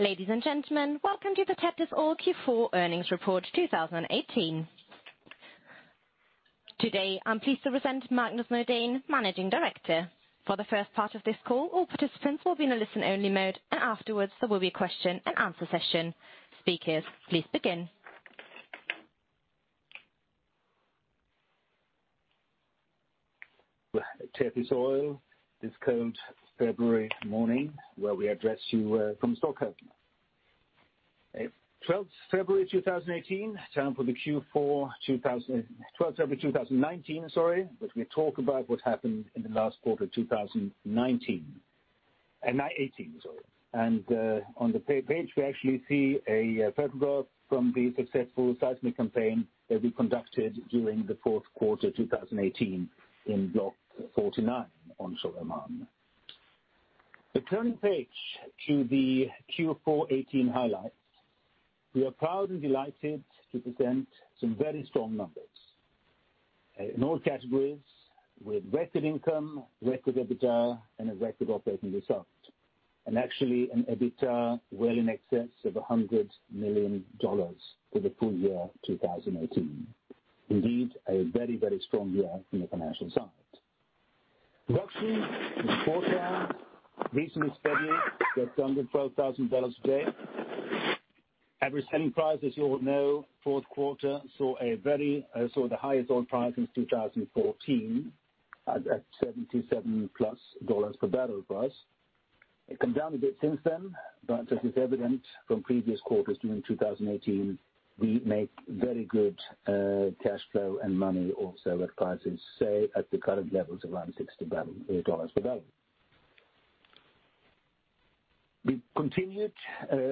Ladies and gentlemen, welcome to the Tethys Oil Q4 earnings report 2018. Today, I'm pleased to present Magnus Nordin, Managing Director. For the first part of this call, all participants will be in a listen-only mode, and afterwards, there will be a question and answer session. Speakers, please begin. Tethys Oil this cold February morning, where we address you from Stockholm. 12th February 2018, time for the Q4 2019, we talk about what happened in the last quarter of 2018. On the page, we actually see a photograph from the successful seismic campaign that we conducted during the fourth quarter 2018 in block 49 onshore Oman. The turning page to the Q4 20 18 highlights. We are proud and delighted to present some very strong numbers in all categories, with record income, record EBITDA, and a record operating result. Actually, an EBITDA well in excess of $100 million for the full year 2018. Indeed, a very strong year from the financial side. Production in the quarter recently steady, just under $12,000 a day. Average selling price, as you all know, fourth quarter saw the highest oil price since 2014 at $77 plus per barrel price. It come down a bit since then, as is evident from previous quarters during 2018, we make very good cash flow and money also at prices, say at the current levels, around $60 /bbl. We continued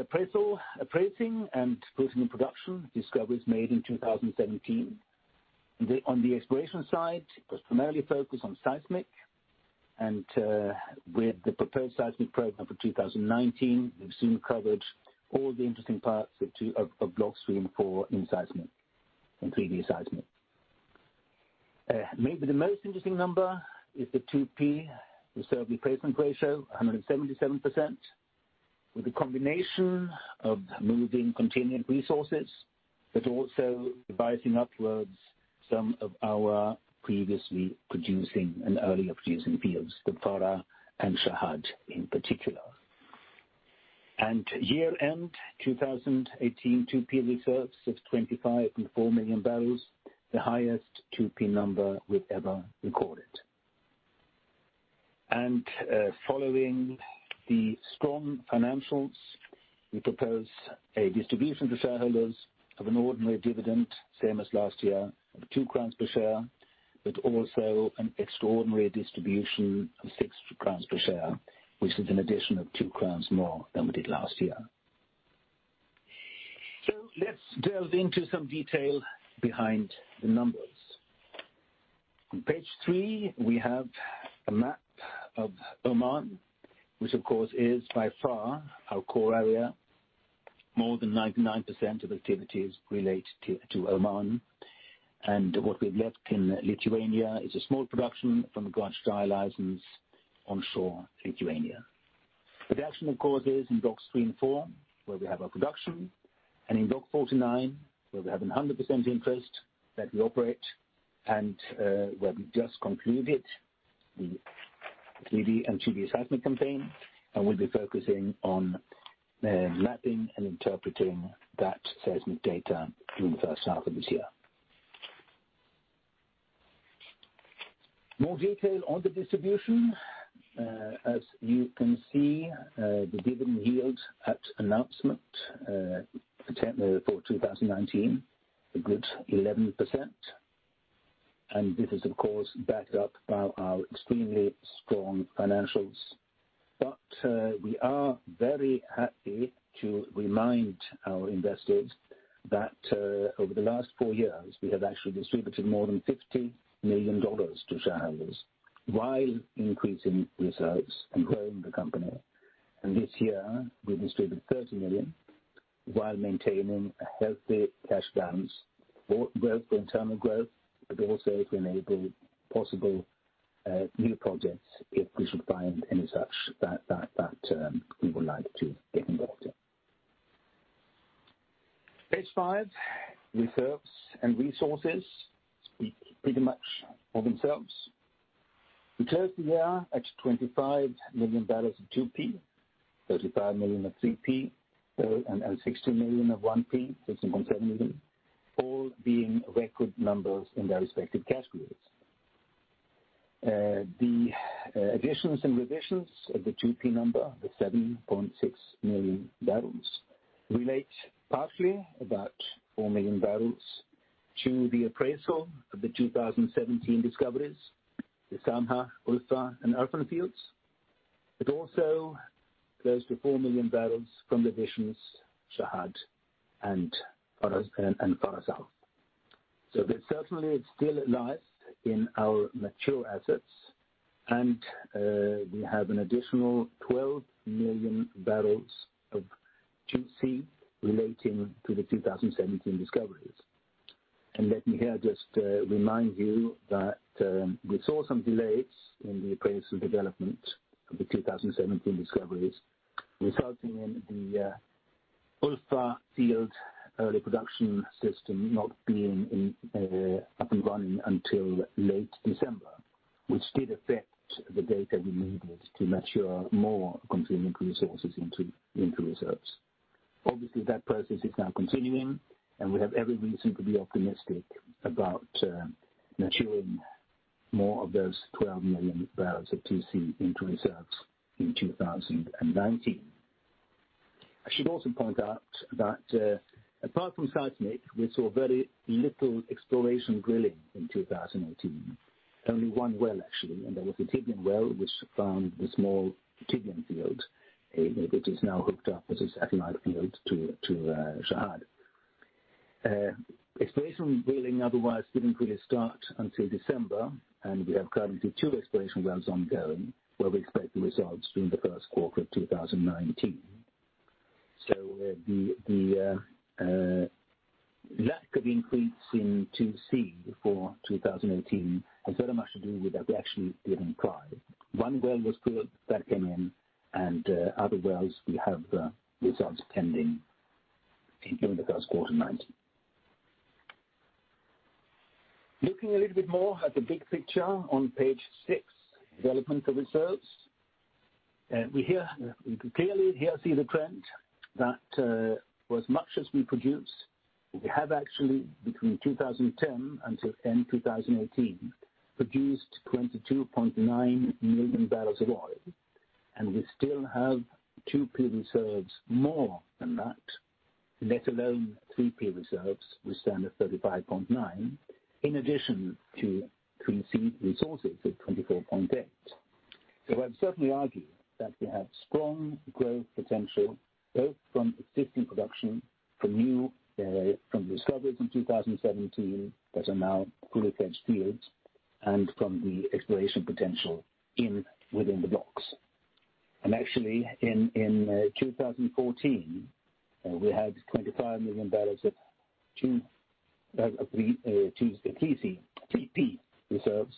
appraisal, appraising, and putting in production discoveries made in 2017. On the exploration side, it was primarily focused on seismic and, with the proposed seismic program for 2019, we've soon covered all the interesting parts of block three and four in 3D seismic. Maybe the most interesting number is the 2P reserve replacement ratio, 177%, with a combination of moving continuing resources, but also revising upwards some of our previously producing and earlier producing fields, the Farha and Shahad in particular. Year end 2018, 2P reserves of 25.4 million barrels, the highest 2P number we've ever recorded. Following the strong financials, we propose a distribution to shareholders of an ordinary dividend, same as last year, of 2 crowns per share, but also an extraordinary distribution of 6 crowns per share, which is an addition of 2 crowns more than we did last year. Let's delve into some detail behind the numbers. On page three, we have a map of Oman, which of course, is by far our core area. More than 99% of activities relate to Oman, and what we've left in Lithuania is a small production from the Grange Sky license onshore Lithuania. Production, of course, is in block three and four, where we have our production, and in block 49, where we have 100% interest that we operate, and where we just concluded the 3D and 2D seismic campaign. We'll be focusing on mapping and interpreting that seismic data during the first half of this year. More detail on the distribution. As you can see, the dividend yield at announcement for Tethys Oil report 2019, a good 11%. This is, of course, backed up by our extremely strong financials. We are very happy to remind our investors that over the last four years, we have actually distributed more than $50 million to shareholders while increasing reserves and growing the company. This year, we distributed $30 million while maintaining a healthy cash balance for internal growth, but also to enable possible new projects if we should find any such that we would like to get involved in. Page five, reserves and resources. They speak pretty much for themselves. We closed the year at $25 million of 2P, $35 million of 3P, and $16 million of 1P, $16.7 million, all being record numbers in their respective categories. The additions and revisions of the 2P number, the 7.6 million bbl relate partly about 4 million bbl to the appraisal of the 2017 discoveries, the Samah, Ulfa, and Erfan fields. It also relates to 4 million bbl from revisions, Shahad and Farha South. There's certainly still lies in our mature assets, and we have an additional 12 million bbl of 2C relating to the 2017 discoveries. Let me here just remind you that we saw some delays in the appraisal development of the 2017 discoveries, resulting in the Ulfa field early production system not being up and running until late December, which did affect the data we needed to mature more contingent resources into reserves. Obviously, that process is now continuing, and we have every reason to be optimistic about maturing more of those 12 million bbl of 2C into reserves in 2019. I should also point out that apart from satellite, we saw very little exploration drilling in 2018. Only one well, actually, and that was the Tegen well, which found the small Tegen field, which is now hooked up with the satellite field to Shahad. Exploration drilling otherwise didn't really start until December. We have currently two exploration wells ongoing, where we expect the results during the first quarter of 2019. The lack of increase in 2C for 2018 has very much to do with that we actually didn't try. One well was drilled, that came in, and other wells we have results pending during the first quarter 2019. Looking a little bit more at the big picture on Page six, development of reserves. We can clearly here see the trend that for as much as we produce, we have actually, between 2010 until end 2018, produced 22.9 million barrels of oil. We still have 2P reserves more than that, let alone 3P reserves, which stand at 35.9 million barrels, in addition to 2C resources of 24.8 million barrels. I'd certainly argue that we have strong growth potential, both from existing production, from discoveries in 2017 that are now fully fledged fields, and from the exploration potential within the blocks. Actually, in 2014, we had 25 million bbl of 3P reserves.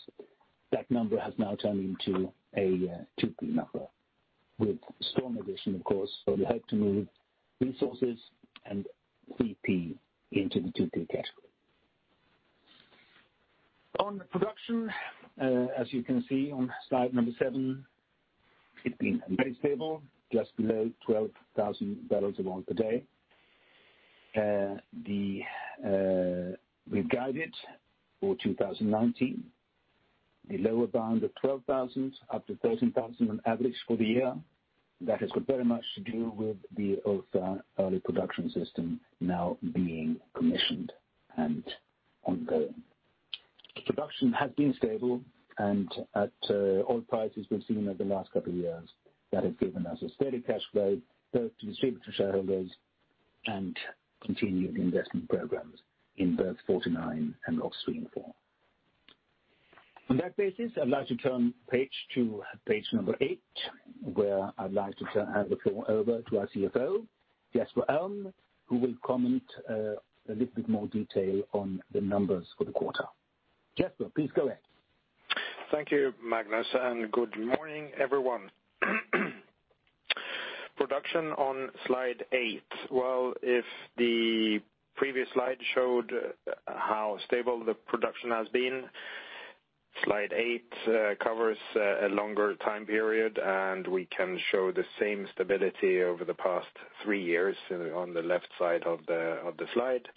That number has now turned into a 2P number with strong addition, of course, so we hope to move resources and 3P into the 2P category. On production, as you can see on slide number seven, it has been very stable, just below 12,000 bbl of oil per day. We have guided for 2019 a lower bound of 12,000 up to 13,000 on average for the year. That has got very much to do with the Ulfa early production system now being commissioned and ongoing. Production has been stable and at oil prices we have seen over the last couple of years, that has given us a steady cash flow both to distribute to shareholders and continue the investment programs in both four to nine and blocks three and four. On that basis, I'd like to turn to page number eight, where I'd like to hand the floor over to our CFO, Jesper Alm, who will comment a little bit more detail on the numbers for the quarter. Jesper, please go ahead. Thank you, Magnus, good morning, everyone. Production on Slide eight. If the previous slide showed how stable the production has been, Slide eight covers a longer time period, and we can show the same stability over the past three years on the left side of the slide,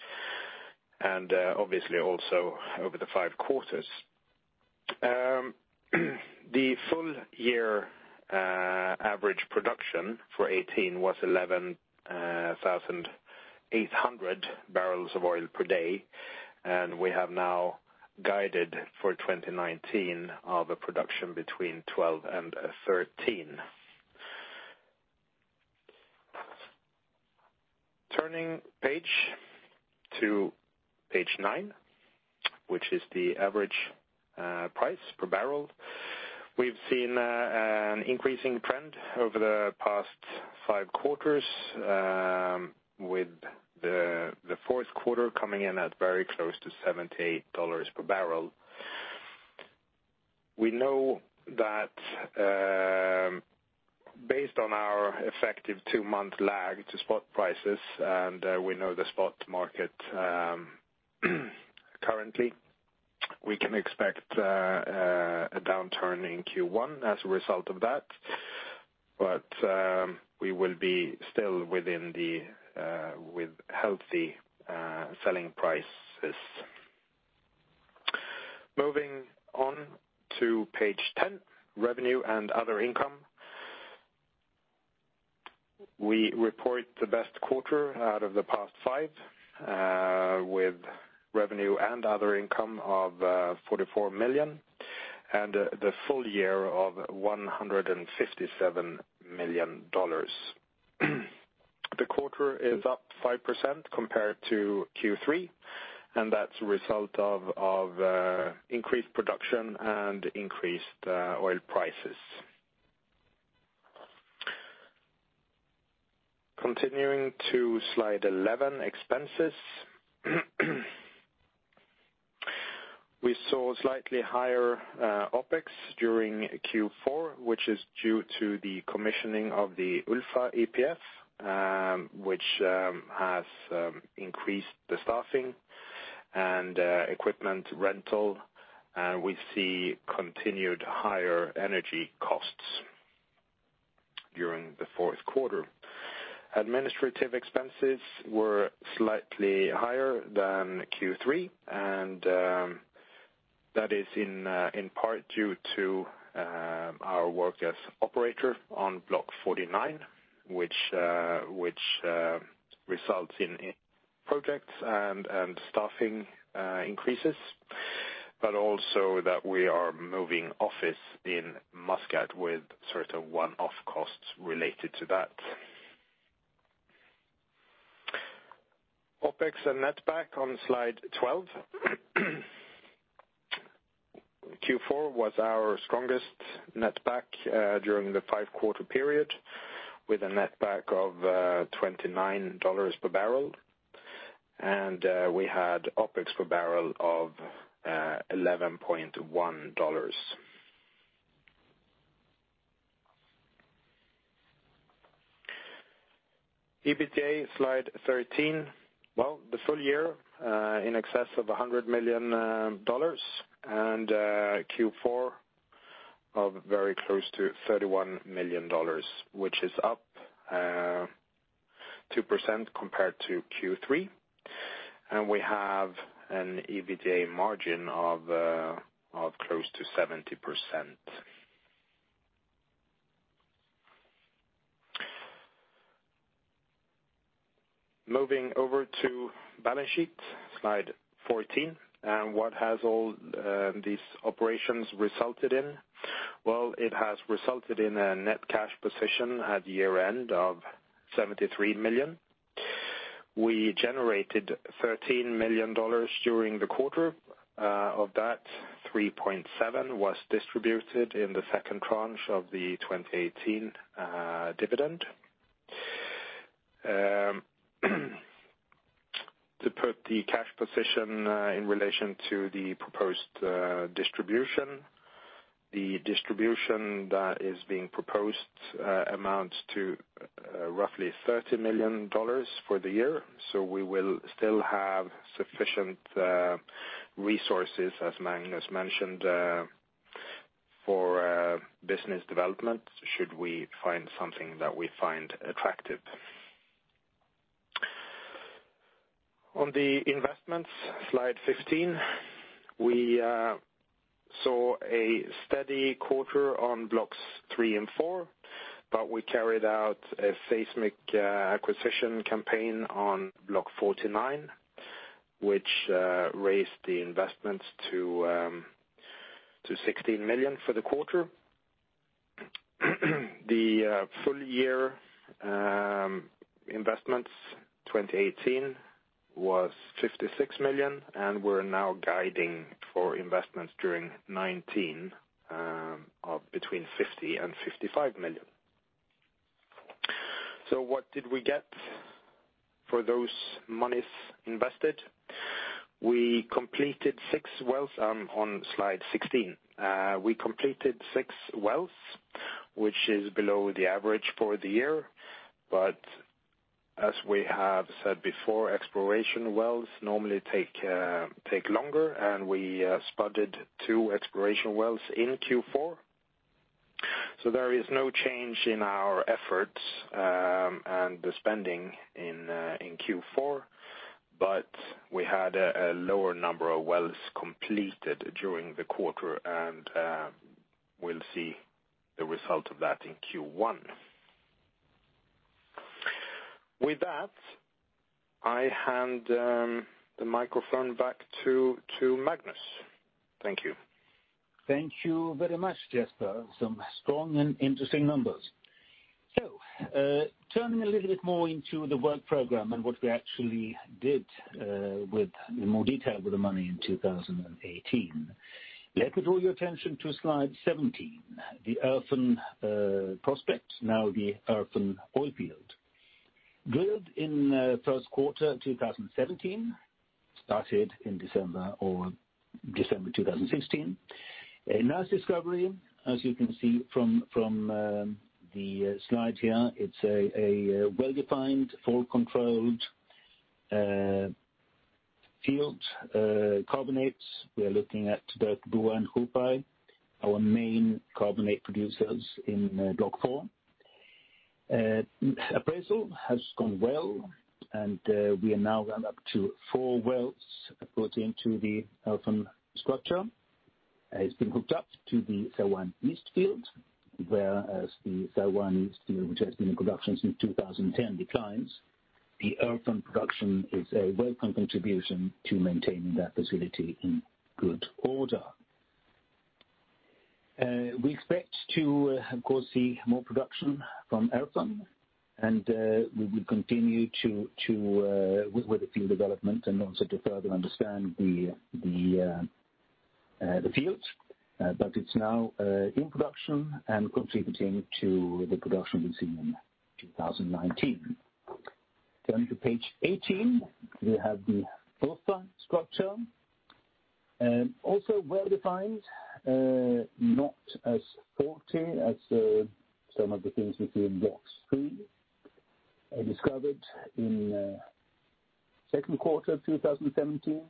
and obviously also over the five quarters. The full year average production for 2018 was 11,800 barrels of oil per day, and we have now guided for 2019 of a production between 12 and 13. Turning page to page nine, which is the average price per barrel. We have seen an increasing trend over the past five quarters, with the fourth quarter coming in at very close to $78 /bbl. We know that based on our effective two-month lag to spot prices, and we know the spot market currently, we can expect a downturn in Q1 as a result of that. We will be still with healthy selling prices. Moving on to Page 10, revenue and other income. We report the best quarter out of the past five, with revenue and other income of $44 million, and the full year of $157 million. The quarter is up 5% compared to Q3, and that is a result of increased production and increased oil prices. Continuing to slide 11, expenses. We saw slightly higher OPEX during Q4, which is due to the commissioning of the Ulfa EPF, which has increased the staffing and equipment rental. We see continued higher energy costs during the fourth quarter. Administrative expenses were slightly higher than Q3, and that is in part due to our work as operator on block 49, which results in projects and staffing increases, but also that we are moving office in Muscat with certain one-off costs related to that. OPEX and netback on slide 12. Q4 was our strongest netback during the five-quarter period, with a netback of $29 per barrel. We had OPEX per barrel of $11.10. EBITDA, slide 13. Well, the full year, in excess of $100 million, and Q4 of very close to $31 million, which is up 2% compared to Q3. We have an EBITDA margin of close to 70%. Moving over to balance sheet, slide 14, what has all these operations resulted in? Well, it has resulted in a net cash position at year-end of $73 million. We generated $13 million during the quarter. Of that, $3.7 was distributed in the second tranche of the 2018 dividend. To put the cash position in relation to the proposed distribution, the distribution that is being proposed amounts to roughly $30 million for the year. We will still have sufficient resources, as Magnus mentioned, for business development should we find something that we find attractive. On the investments, slide 15, we saw a steady quarter on blocks three and four, but we carried out a seismic acquisition campaign on block 49, which raised the investments to $16 million for the quarter. The full year investments 2018 was $56 million. We are now guiding for investments during 2019 of between $50 million-$55 million. What did we get for those monies invested? On slide 16, we completed six wells, which is below the average for the year. As we have said before, exploration wells normally take longer. We spudded two exploration wells in Q4. There is no change in our efforts and the spending in Q4. We had a lower number of wells completed during the quarter. We will see the result of that in Q1. With that, I hand the microphone back to Magnus. Thank you. Thank you very much, Jesper. Some strong and interesting numbers. Turning a little bit more into the work program and what we actually did with more detail with the money in 2018. Let me draw your attention to slide 17, the Erfan prospect, now the Erfan oil field. Drilled in first quarter 2017, started in December 2016. A nice discovery, as you can see from the slide here. It's a well-defined, full-controlled field. Carbonates, we are looking at both Buah and Khufai, our main carbonate producers in block four. Appraisal has gone well. We have now gone up to four wells put into the Erfan structure. It's been hooked up to the Saiwan East field, where the Saiwan East Field, which has been in production since 2010, declines. The Erfan production is a welcome contribution to maintaining that facility in good order. We expect to, of course, see more production from Erfan, and we will continue with the field development and also to further understand the field, but it's now in production and contributing to the production we see in 2019. Turning to page 18, we have the Ulfa structure. Also well-defined, not as faulty as some of the things we see in blocks three. Discovered in second quarter of 2017.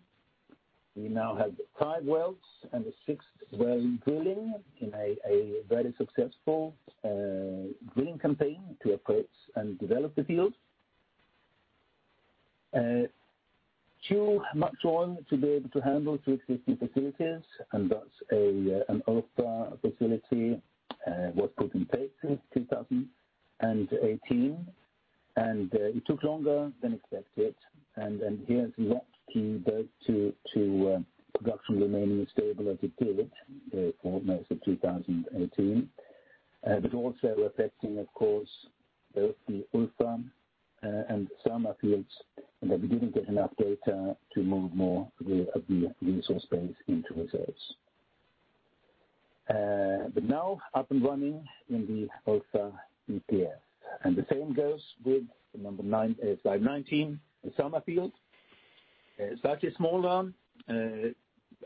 We now have five wells and a sixth well drilling in a very successful drilling campaign to acquire and develop the field. Too much oil to be able to handle through existing facilities, and thus an Ulfa facility was put in place in 2018. It took longer than expected. Here's a lot key both to production remaining as stable as it did for most of 2018. Also affecting, of course, both the Ulfa and Samah fields, we didn't get enough data to move more of the resource base into reserves. Now up and running in the Ulfa EPF. The same goes with the number nine, slide 19, the Samah field. Slightly smaller,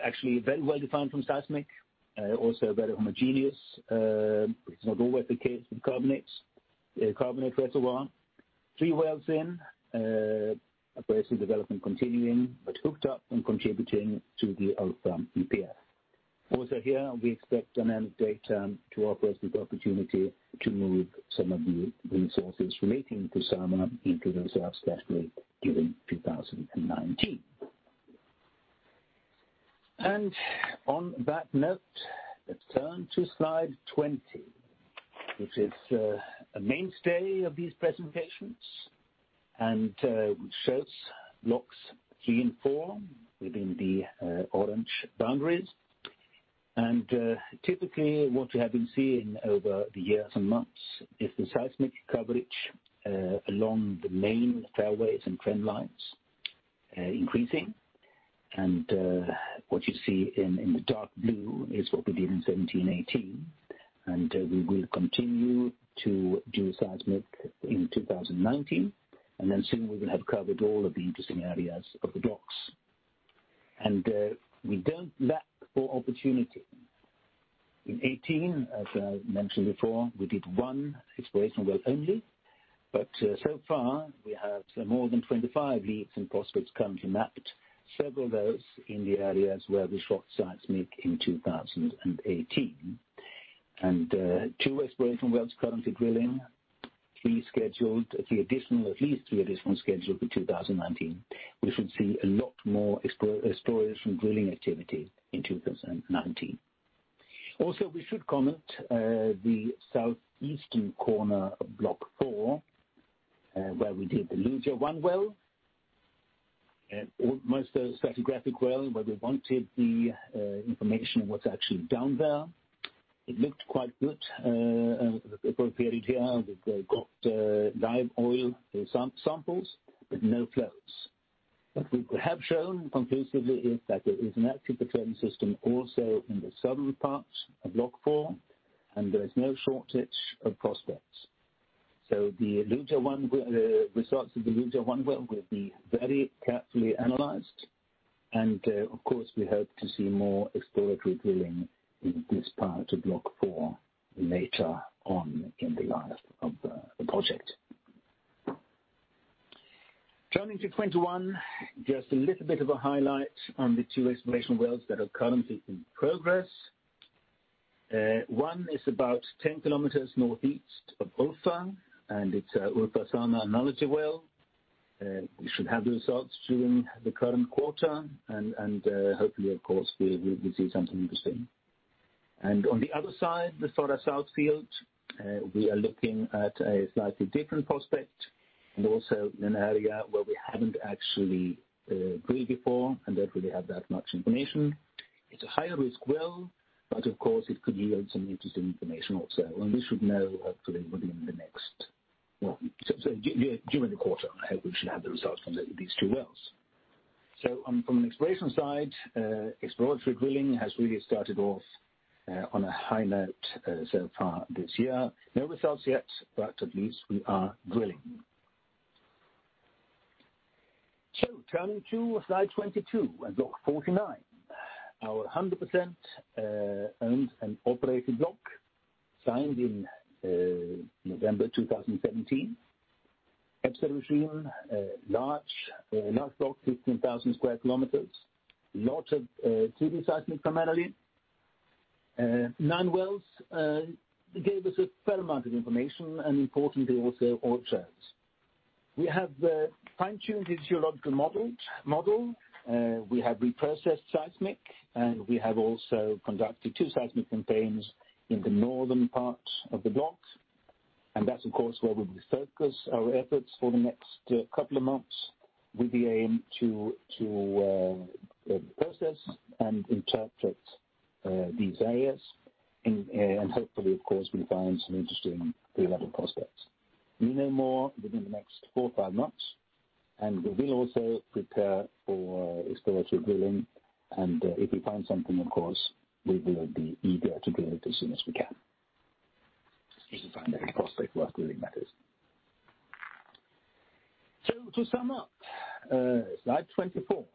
actually very well-defined from seismic, also very homogeneous. It's not always the case with carbonates, a carbonate reservoir. Three wells in, aggressive development continuing, but hooked up and contributing to the Ulfa EPF. Also here, we expect an end of day term to offer us with opportunity to move some of the resources relating to Samah into reserves, especially during 2019. On that note, let's turn to slide 20, which is a mainstay of these presentations, and shows blocks three and four within the orange boundaries. Typically, what we have been seeing over the years and months is the seismic coverage along the main fairways and trend lines increasing. What you see in the dark blue is what we did in 2017, 2018. We will continue to do seismic in 2019, soon we will have covered all of the interesting areas of the blocks. We don't lack for opportunity. In 2018, as I mentioned before, we did one exploration well only. So far, we have more than 25 leads and prospects currently mapped, several of those in the areas where we shot seismic in 2018. Two exploration wells currently drilling, three scheduled, three additional, at least three additional scheduled for 2019. We should see a lot more exploration drilling activity in 2019. Also, we should comment, the southeastern corner of block four, where we did the Lugh-1 well. Most a stratigraphic well, where we wanted the information on what's actually down there. It looked quite good, the appropriate here. We got live oil samples, but no flows. What we have shown conclusively is that there is an active petroleum system also in the southern part of block four, there is no shortage of prospects. The results of the Lugh-1 well will be very carefully analyzed. Of course, we hope to see more exploratory drilling in this part of block four later on in the life of the project. Turning to slide 21, just a little bit of a highlight on the two exploration wells that are currently in progress. One is about 10 kilometers northeast of Ulfa, and it's a Ulfa, Samah and Lugh well. We should have the results during the current quarter. Hopefully, of course, we will see something interesting. On the other side, the Sora South field, we are looking at a slightly different prospect, and also in an area where we haven't actually drilled before and don't really have that much information. It's a higher-risk well, but of course, it could yield some interesting information also. We should know hopefully within the next during the quarter, I hope we should have the results from these two wells. From an exploration side, exploratory drilling has really started off on a high note so far this year. No results yet, but at least we are drilling. Turning to slide 22 and block 49. Our 100% owned and operated block, signed in November 2017. Absolutely large block, 15,000 square kilometers. Lot of 3D seismic primarily. Nine wells gave us a fair amount of information, and importantly, also oil shows. We have fine-tuned the geological model. We have reprocessed seismic, and we have also conducted two seismic campaigns in the northern parts of the block. That's, of course, where we will focus our efforts for the next couple of months with the aim to process and interpret these areas. Hopefully, of course, we find some interesting relevant prospects. We know more within the next four or five months. We will also prepare for exploratory drilling. If we find something, of course, we will be eager to drill it as soon as we can. If we find any prospect worth drilling, that is. To sum up, slide 24.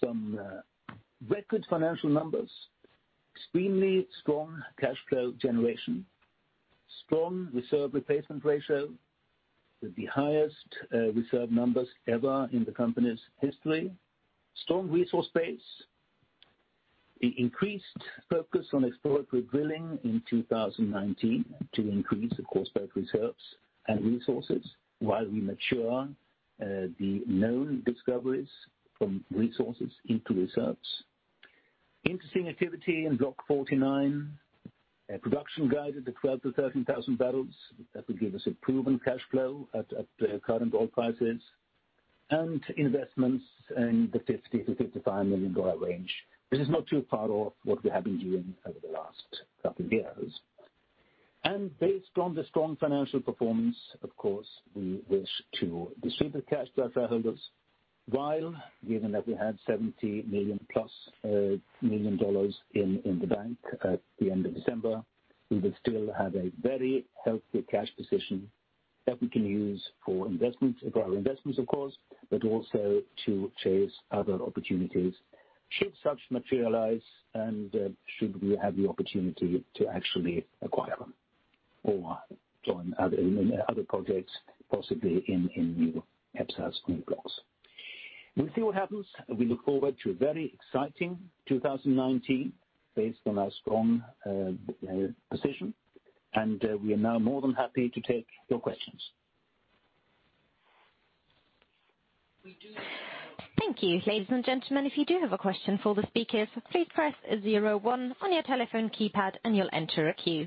Some record financial numbers, extremely strong cash flow generation, strong reserve replacement ratio with the highest reserve numbers ever in the company's history. Strong resource base. The increased focus on exploratory drilling in 2019 to increase, of course, both reserves and resources while we mature the known discoveries from resources into reserves. Interesting activity in block 49. Production guided to 12,000 bbl-13,000 bbl. That will give us a proven cash flow at the current oil prices and investments in the $50 million-$55 million range. This is not too far off what we have been doing over the last couple years. Based on the strong financial performance, of course, we wish to distribute the cash to our shareholders while given that we had $70+ million in the bank at the end of December. We will still have a very healthy cash position that we can use for our investments, of course, but also to chase other opportunities should such materialize and should we have the opportunity to actually acquire them or join other projects, possibly in new EPSAs, new blocks. We'll see what happens. We look forward to a very exciting 2019 based on our strong position, and we are now more than happy to take your questions. Thank you. Ladies and gentlemen, if you do have a question for the speakers, please press zero one on your telephone keypad and you'll enter a queue.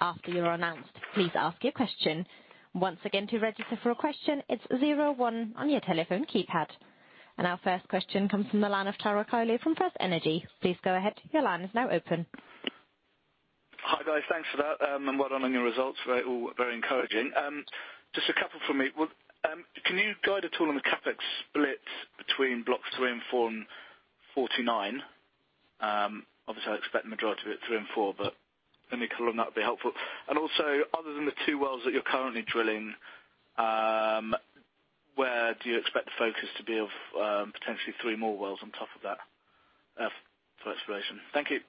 After you're announced, please ask your question. Once again, to register for a question, it's zero one on your telephone keypad. Our first question comes from the line of Tara Kyle from FirstEnergy. Please go ahead. Your line is now open. Hi, guys. Thanks for that, and well done on your results. They all were very encouraging. Just a couple from me. Can you guide at all on the CapEx split between blocks three and four and 49? Obviously, I expect the majority of it three and four, but any color on that would be helpful. Also, other than the two wells that you're currently drilling, where do you expect the focus to be of potentially three more wells on top of that for exploration? Thank you.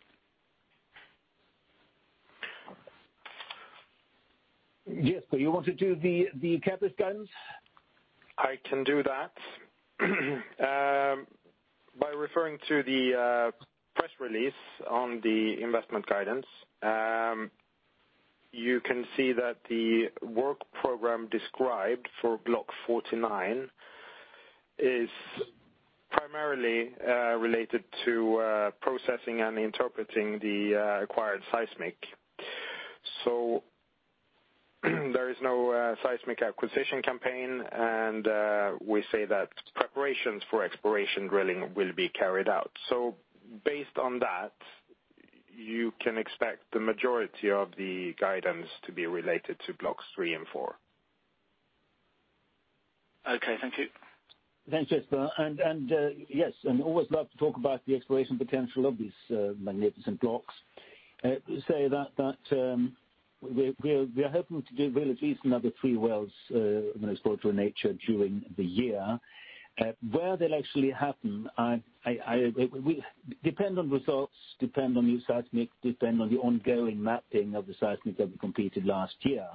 Jesper, you want to do the CapEx guidance? I can do that. By referring to the press release on the investment guidance, you can see that the work program described for block 49 is primarily related to processing and interpreting the acquired seismic. There is no seismic acquisition campaign, and we say that preparations for exploration drilling will be carried out. Based on that, you can expect the majority of the guidance to be related to blocks three and four. Okay. Thank you. Thanks, Jesper. Yes, and always love to talk about the exploration potential of these magnificent blocks. Say that we are hoping to drill at least another three wells of an exploratory nature during the year. Where they'll actually happen, depend on results, depend on new seismic, depend on the ongoing mapping of the seismic that we completed last year.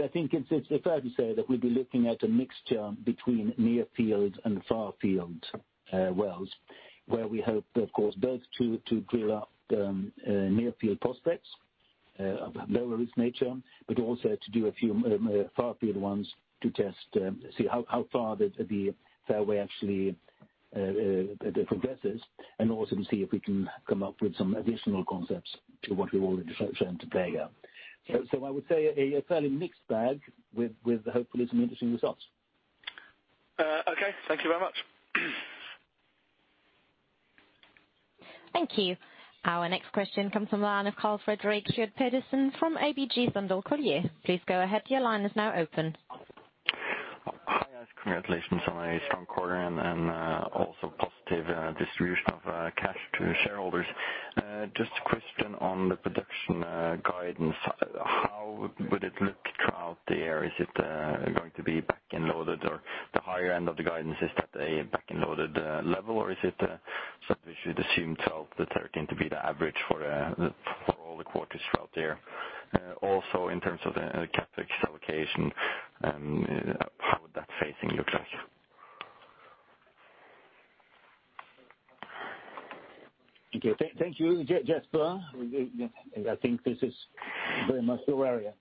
I think it's fair to say that we'll be looking at a mixture between near-field and far-field wells, where we hope, of course, both to drill out near-field prospects of a lower-risk nature, but also to do a few far-field ones to test to see how far the fairway actually progresses, and also to see if we can come up with some additional concepts to what we've already shown to play out. I would say a fairly mixed bag with hopefully some interesting results. Okay. Thank you very much. Thank you. Our next question comes from the line of Karl Fredrik Schjøtt-Pedersen from ABG Sundal Collier. Please go ahead. Your line is now open. Hi, guys. Congratulations on a strong quarter and also positive distribution of cash to shareholders. Just a question on the production guidance. How would it look throughout the year? Is it going to be back-ended or the higher end of the guidance, is that a back-ended level, or is it that we should assume 12-13 to be the average for all the quarters throughout the year? Also, in terms of the CapEx allocation, how would that phasing look like? Okay. Thank you, Jesper. I think this is very much your area.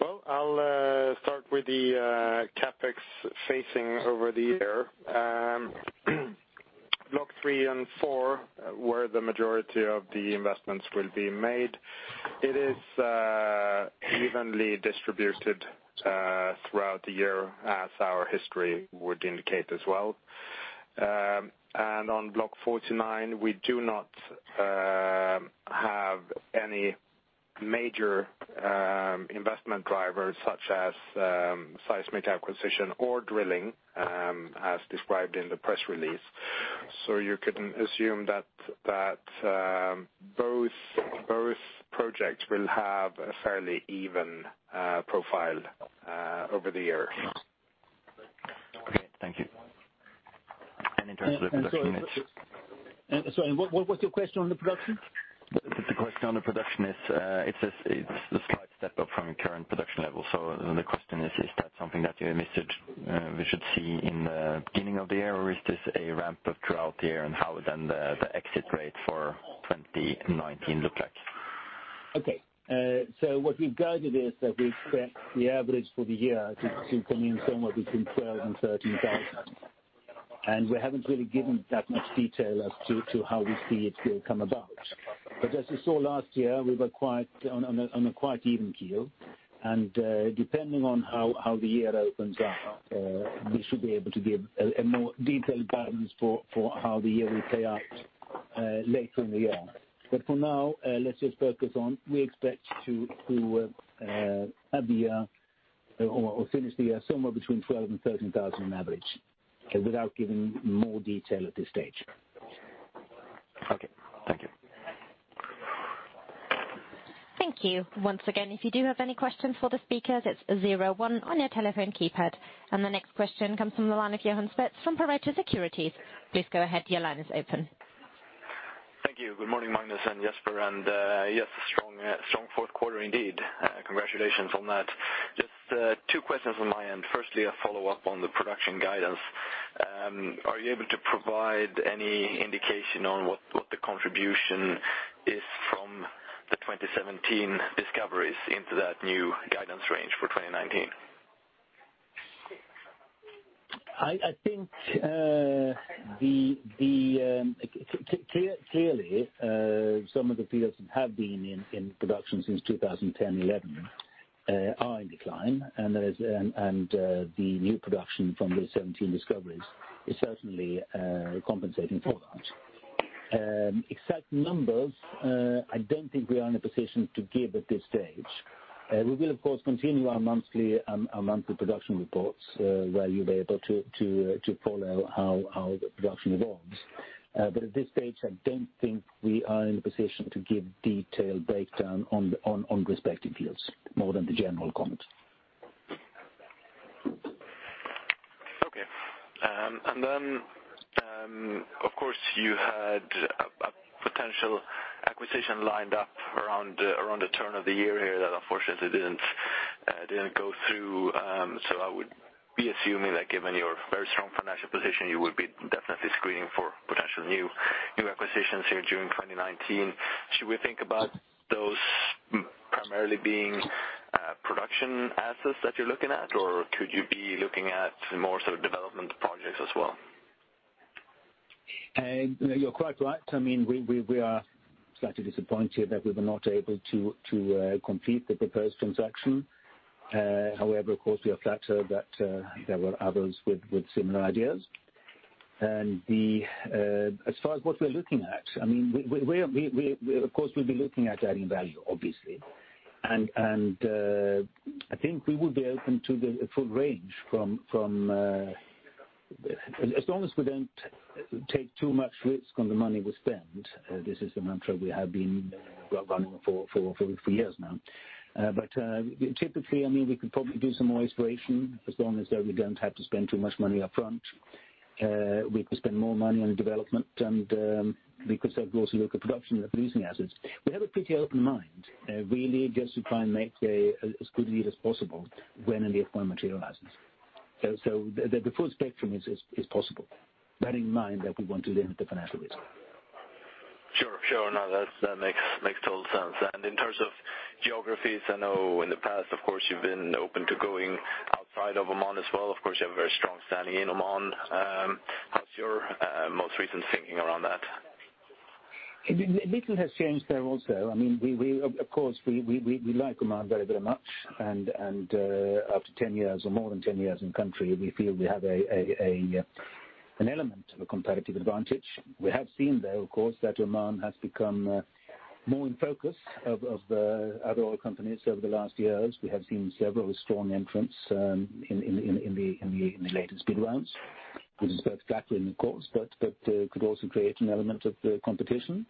Well, I'll start with the CapEx phasing over the year. Block three and four, where the majority of the investments will be made, it is evenly distributed throughout the year, as our history would indicate as well. On block 49, we do not any major investment drivers such as seismic acquisition or drilling as described in the press release. You can assume that both projects will have a fairly even profile over the year. Okay. Thank you. In terms of the production- Sorry, what was your question on the production? The question on the production is, it's a slight step up from current production levels. The question is that something that we should see in the beginning of the year, or is this a ramp up throughout the year? How then the exit rate for 2019 look like? Okay. What we've guided is that we expect the average for the year to come in somewhere between 12,000 and 13,000. We haven't really given that much detail as to how we see it will come about. As you saw last year, we were on a quite even keel. Depending on how the year opens up, we should be able to give a more detailed guidance for how the year will play out later in the year. For now, let's just focus on, we expect to have the year or finish the year somewhere between 12,000 and 13,000 on average, without giving more detail at this stage. Okay. Thank you. Thank you. Once again, if you do have any questions for the speakers, it's zero one on your telephone keypad. The next question comes from the line of Johan Swetten from Pareto Securities. Please go ahead. Your line is open. Thank you. Good morning, Magnus and Jesper. Yes, strong fourth quarter indeed. Congratulations on that. Just two questions on my end. Firstly, a follow-up on the production guidance. Are you able to provide any indication on what the contribution is from the 2017 discoveries into that new guidance range for 2019? I think clearly some of the fields have been in production since 2010, 2011, are in decline, the new production from the 2017 discoveries is certainly compensating for that. Exact numbers, I don't think we are in a position to give at this stage. We will, of course, continue our monthly production reports, where you'll be able to follow how the production evolves. At this stage, I don't think we are in a position to give detailed breakdown on respective fields more than the general comment. Okay. Of course, you had a potential acquisition lined up around the turn of the year here that unfortunately didn't go through. I would be assuming that given your very strong financial position, you would be definitely screening for potential new acquisitions here during 2019. Should we think about those primarily being production assets that you're looking at? Or could you be looking at more sort of development projects as well? You're quite right. We are slightly disappointed that we were not able to complete the proposed transaction. However, of course, we are flattered that there were others with similar ideas. As far as what we're looking at, of course, we'll be looking at adding value, obviously. I think we would be open to the full range. As long as we don't take too much risk on the money we spend, this is the mantra we have been running for years now. Typically, we could probably do some more exploration as long as we don't have to spend too much money up front. We could spend more money on development, and we could also look at production of losing assets. We have a pretty open mind, really just to try and make as good a deal as possible when and if one materializes. The full spectrum is possible, bearing in mind that we want to limit the financial risk. Sure. No, that makes total sense. In terms of geographies, I know in the past, of course, you've been open to going outside of Oman as well. Of course, you have a very strong standing in Oman. How's your most recent thinking around that? Little has changed there also. Of course, we like Oman very much. After 10 years or more than 10 years in country, we feel we have an element of a competitive advantage. We have seen, though, of course, that Oman has become more in focus of other oil companies over the last years. We have seen several strong entrants in the latest bid rounds, which is both flattering, of course, but could also create an element of competition.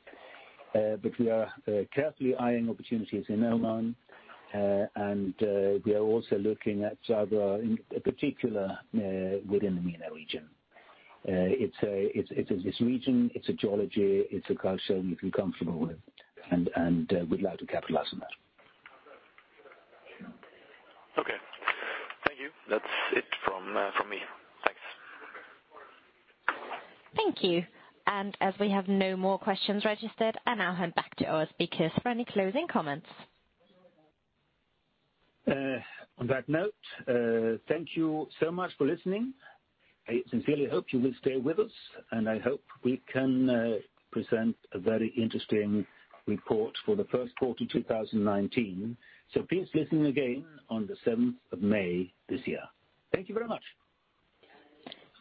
We are carefully eyeing opportunities in Oman, and we are also looking at other, in particular within the MENA region. It's a region, it's a geology, it's a culture we feel comfortable with, and we'd like to capitalize on that. Okay. Thank you. That's it from me. Thanks. Thank you. As we have no more questions registered, I now hand back to our speakers for any closing comments. On that note, thank you so much for listening. I sincerely hope you will stay with us, and I hope we can present a very interesting report for the first quarter 2019. Please listen again on the 7th of May this year. Thank you very much.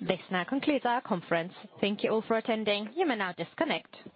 This now concludes our conference. Thank you all for attending. You may now disconnect.